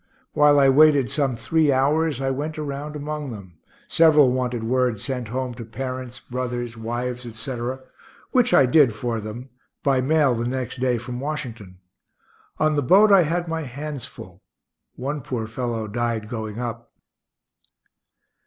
While I waited some three hours, I went around among them. Several wanted word sent home to parents, brothers, wives, etc., which I did for them (by mail the next day from Washington). On the boat I had my hands full. One poor fellow died going up.